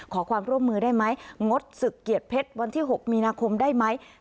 ขอความร่วมมือได้ไหมงดศึกเกียรติเพชรวันที่๖มีนาคมได้ไหม